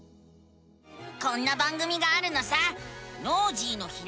こんな番組があるのさ！